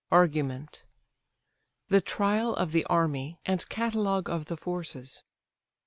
ARGUMENT. THE TRIAL OF THE ARMY, AND CATALOGUE OF THE FORCES.